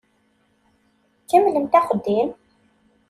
Kemmlemt axeddim!